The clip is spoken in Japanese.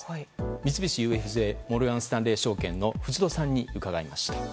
三菱ＵＦＪモルガン・スタンレー証券の藤戸さんに伺いました。